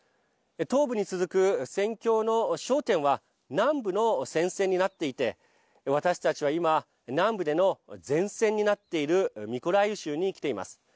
東部に続く戦況の焦点は南部の戦線になっていて私たちは今、南部での前線になっているミコライウ州に来ています。